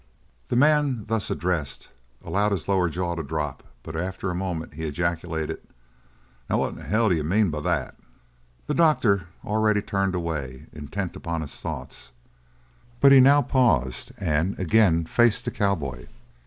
The man thus addressed allowed his lower jaw to drop but after a moment he ejaculated: "Now what in hell d'you mean by that?" The doctor already turned away, intent upon his thoughts, but he now paused and again faced the cowboy.